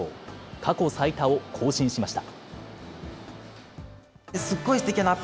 過去最多を更新しました。